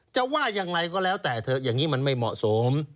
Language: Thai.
จะว่ายังไงก็แล้วแต่เถอะอย่างนี้มันไม่เหมาะสม